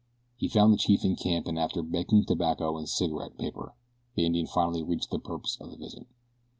He found the chief in camp and after begging tobacco and a cigarette paper the Indian finally reached the purpose of his visit.